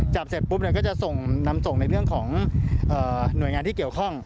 เสร็จปุ๊บก็จะส่งนำส่งในเรื่องของหน่วยงานที่เกี่ยวข้อง